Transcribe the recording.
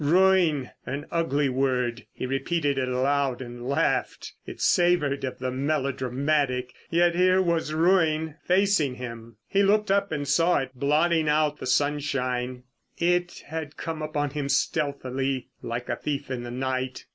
Ruin! An ugly word. He repeated it aloud—and laughed. It savoured of the melodramatic. Yet here was ruin facing him. He looked up and saw it blotting out the sunshine. It had come upon him stealthily, like a thief in the night.